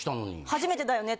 「初めてだよね」